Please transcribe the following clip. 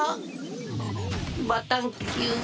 バタンキュー。